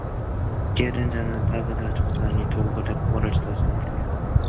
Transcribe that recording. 게으른 자는 가을에 밭 갈지 아니하나니 그러므로 거둘 때에는 구걸할지라도 얻지 못하리라